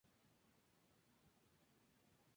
En cada certamen hay un país invitado.